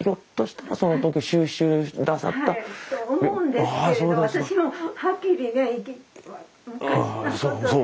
ひょっとしたらその時収集なさった。と思うんですけれど私もはっきりは昔のことで。